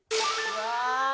うわ！